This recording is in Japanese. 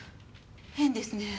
変ですね。